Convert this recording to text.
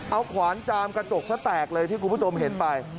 เอาขวานจามกระจกซะแตกเลยที่คุณผู้ชมเห็นไป